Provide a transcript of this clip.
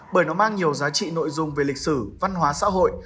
bởi nó mang nhiều giá trị nội dung về lịch sử văn hóa xã hội